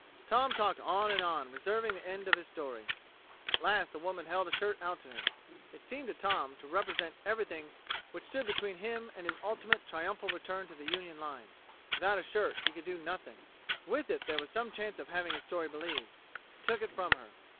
Tom talked on and on, reserving the end of his story. At last the woman held a shirt out to him it seemed to Tom to represent everything which stood between him and his ultimate triumphal return to the Union lines. Without a shirt he could no nothing; with it there was some chance of having his story believed. He took it from her.